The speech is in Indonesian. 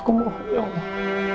aku nyatakan istriku seperti ini